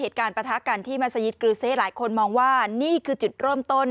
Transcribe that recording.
ปะทะกันที่มัศยิตกรือเซหลายคนมองว่านี่คือจุดเริ่มต้น